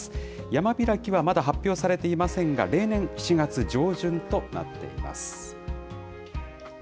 山開きはまだ発表されていませんが、例年、７月上旬となっています。